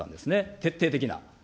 徹底的な。